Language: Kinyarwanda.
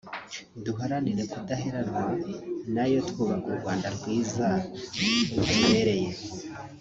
duharanire kudaherenwa nayo twubaka u Rwanda rwiza rutebereye